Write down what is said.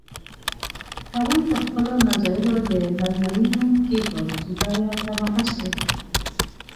هغوی په خپلو مزایلو د غزنوي نوم کېښود چې دا یو تناقض دی.